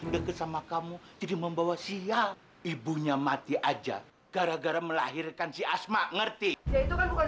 deket sama kamu jadi membawa siang ibunya mati aja gara gara melahirkan si asma ngerti itu kan bukan